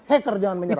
hacker jangan menyerang